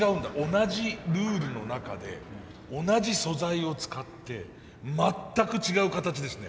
同じルールの中で同じ素材を使って全く違う形ですね。